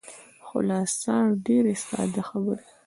خلاصه ډېرې ساده خبرې.